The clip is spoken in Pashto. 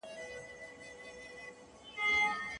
ښايي بازاريان د ساعت په ارزښت نه پوهېدل.